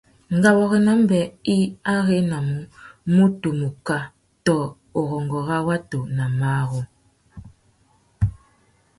Ngawôrénô mbê i arénamú mutu muká tô urrôngô râ watu nà marru.